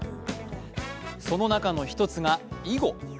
その中の１つが囲碁。